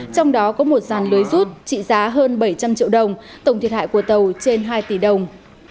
trong đó có một dàn lưới rút trị giá hơn bảy trăm linh triệu đồng tổng thiệt hại của tàu trên hai tỷ đồng